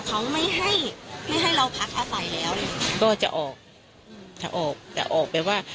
เขาไม่ให้ไม่ให้เราพักอาศัยแล้วก็จะออกอืมจะออกแต่ออกไปว่า